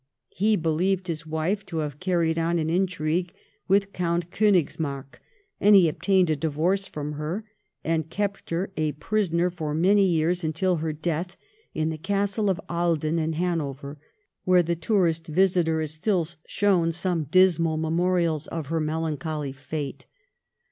He believed his wife to have carried on an intrigue with Count Konigsmark, and he obtained a divorce from her, and kept her as a prisoner for many years, until her death, in the Castle of Ahlden, in Hanover, where the tourist visitor is still shown some dismal memorials of her melancholy fate.